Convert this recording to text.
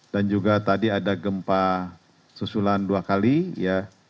dan juga tadi ada gempa susulan dua kali ya